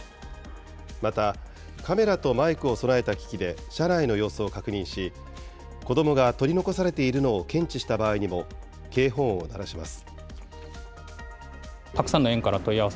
また、カメラとマイクを備えた機器で、車内の様子を確認し、子どもが取り残されているのを検知した場合にも、警報音を鳴らします。